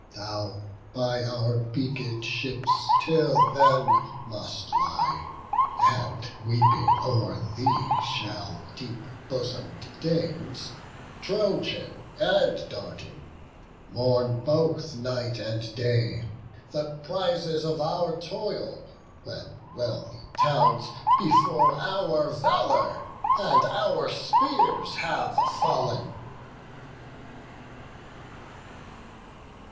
Thou by our beaked ships till then must lie; And weeping o'er thee shall deep bosom'd dames, Trojan and Dardan, mourn both night and day; The prizes of our toil, when wealthy towns Before our valour and our spears have fall'n."